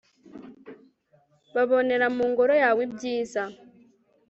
babonera mu ngoro yawe ibyiza